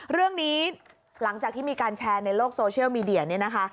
เรื่องนี้หลังจากที่มีการแชร์ในโลกโซเชียลมีเดียเนี่ยนะคะ